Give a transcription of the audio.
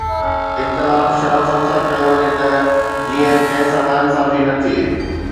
اختلاف شرافت سان ڪيو وڃي ته جيئن ڪنهن سان ناانصافي نه ٿئي.